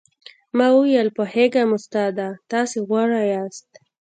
ما وويل پوهېږم استاده تاسې غواړاست.